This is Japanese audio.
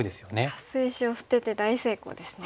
カス石を捨てて大成功ですね。